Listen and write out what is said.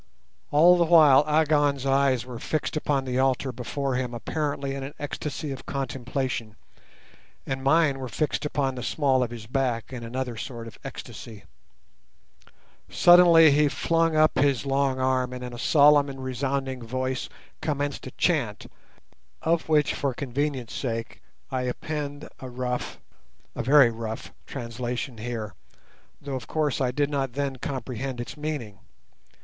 All the while Agon's eyes were fixed upon the altar before him apparently in an ecstasy of contemplation, and mine were fixed upon the small of his back in another sort of ecstasy. Suddenly he flung up his long arm, and in a solemn and resounding voice commenced a chant, of which for convenience' sake I append a rough, a very rough, translation here, though, of course, I did not then comprehend its meaning.